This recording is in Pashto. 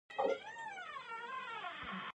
کلي د افغانستان د بڼوالۍ یوه برخه ده.